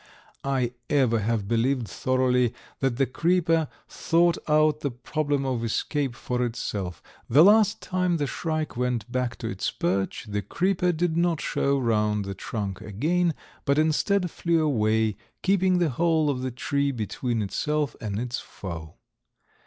I ever have believed thoroughly that the creeper thought out the problem of escape for itself. The last time the shrike went back to its perch the creeper did not show round the trunk again, but instead flew away, keeping the hole of the tree between itself and its foe.